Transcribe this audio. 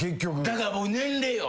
だから僕年齢よ。